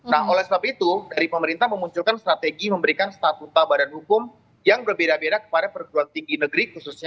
nah oleh sebab itu dari pemerintah memunculkan strategi memberikan statuta badan hukum yang berbeda beda kepada perguruan tinggi negeri khususnya